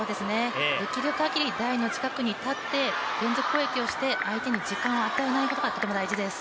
できるかぎり台の近くに立って連続攻撃をして相手に時間を与えないことがとても大事です。